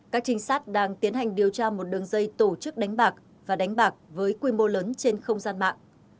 các trinh sát đang tiến hành điều tra một đường dây tổ chức đánh bạc và đánh bạc với quy mô lớn trên không gian mạng